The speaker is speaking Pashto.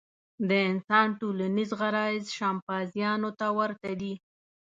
د انسان ټولنیز غرایز شامپانزیانو ته ورته دي.